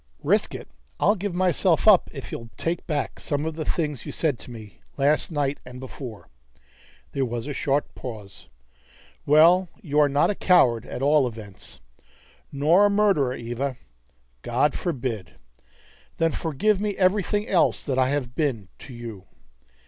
"Risk it? I'll give myself up if you'll take back some of the things you said to me last night and before." There was a short pause. "Well, you are not a coward, at all events!" "Nor a murderer, Eva!" "God forbid." "Then forgive me for everything else that I have been to you!"